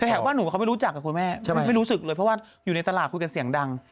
แถวบ้านหนูเขาไม่รู้จักกับคุณแม่มันไม่รู้สึกเลยเพราะว่าอยู่ในตลาดคุยกันเสียงดัง